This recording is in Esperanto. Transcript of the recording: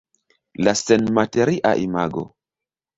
La senmateria imago.